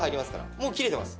もう切れてます。